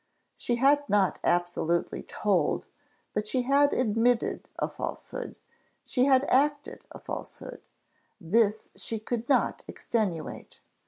She had not absolutely told, but she had admitted a falsehood; she had acted a falsehood. This she could not extenuate.